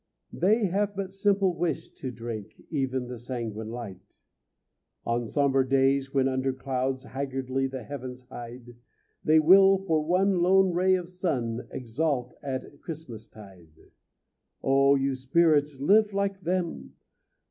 They have but simple wish to drink, Even the sanguine, light; On sombre days, when under clouds Haggardly the heavens hide, They will, for one lone ray of sun, Exalt at Christmastide. You, oh spirits, live like them!